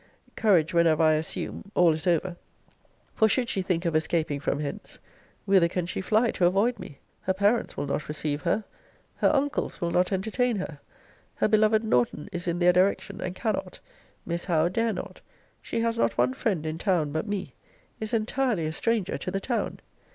Courage whenever I assume, all is over: for, should she think of escaping from hence, whither can she fly to avoid me? Her parents will not receive her. Her uncles will not entertain her. Her beloved Norton is in their direction, and cannot. Miss Howe dare not. She has not one friend in town but me is entirely a stranger to the town.